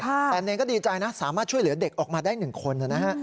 แต่เนรก็ดีใจนะสามารถช่วยเหลือเด็กออกมาได้๑คนนะฮะ